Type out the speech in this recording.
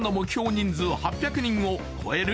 人数８００人を超える？